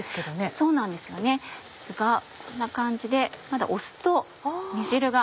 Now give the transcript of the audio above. そうなんですよねですがこんな感じでまだ押すと煮汁が。